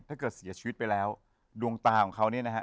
เสียชีวิตไปแล้วดวงตาของเขาเนี่ยนะฮะ